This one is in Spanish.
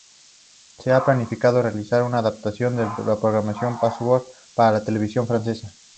Se ha planificado realizar una adaptación del programa "Password" para la televisión francesa.